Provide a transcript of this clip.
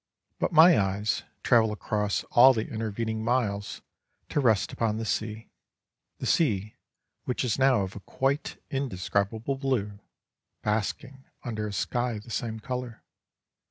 But my eyes travel across all the intervening miles to rest upon the sea, the sea which is now of a quite indescribable blue, basking under a sky of the same colour.